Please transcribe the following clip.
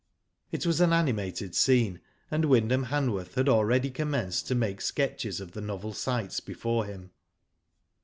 It was an animated scene, and Wyndham Han worth had already commenced to make sketches of the novel sights before him.